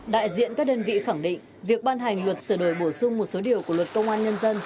đại diện các đơn vị khẳng định việc ban hành luật sửa đổi bổ sung một số điều của luật công an nhân dân